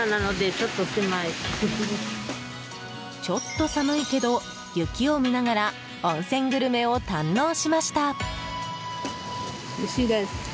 ちょっと寒いけど雪を見ながら温泉グルメを堪能しました。